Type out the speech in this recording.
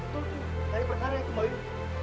cari perkara itu mbak yu